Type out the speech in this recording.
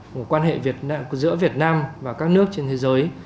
của quan hệ giữa việt nam và các nước trên thế giới